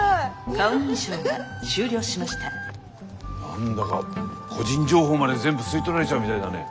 何だか個人情報まで全部吸い取られちゃうみたいだね。